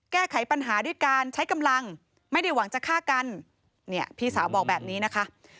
แก้ไขปัญหาด้วยการใช้กำลังไม่ได้หวังจะฆ่ากันเนี่ยพี่สาวบอกแบบนี้นะคะ